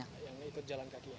yang ikut jalan kaki ya